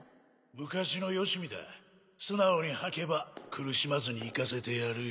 昔のよしみだ素直に吐けば苦しまずに逝かせてやるよ。